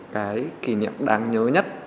cái kỷ niệm đáng nhớ nhất